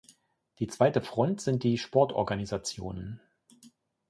Die zweite Front sind die Sportorganisationen.